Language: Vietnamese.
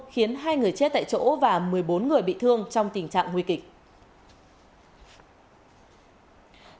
khiến hai người chết tại chỗ và một mươi bốn người bị thương trong tình trạng nguy kịch